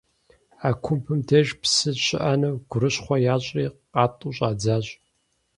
А кумбым деж псы щыӏэну гурыщхъуэ ящӏри къатӏу щӏадзащ.